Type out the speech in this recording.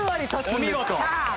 お見事！